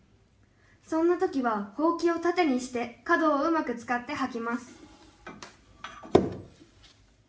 そんなときはほうきをたてにして角をうまく使ってはきます」。